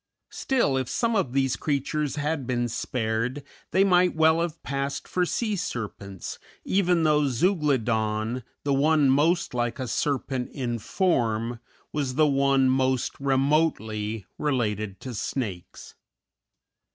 Still, if some of these creatures had been spared, they might well have passed for sea serpents, even though Zeuglodon, the one most like a serpent in form, was the one most remotely related to snakes.